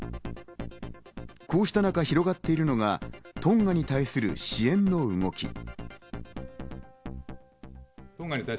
こうした中、広がっているのがトンガに対する支援の動き。